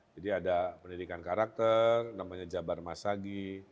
ada pendidikan karakter namanya jabar masagi